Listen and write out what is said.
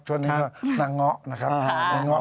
ช่วงนี้ก็นางเงาะนะครับ